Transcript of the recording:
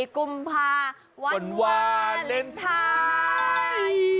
๑๔กุมภาวันวาเลนไทย